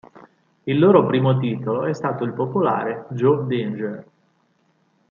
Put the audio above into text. Il loro primo titolo è stato il popolare "Joe Danger".